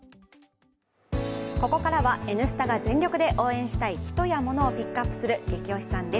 ここからは「Ｎスタ」が全力で応援したいヒトやモノをピックアップするゲキ推しさんです。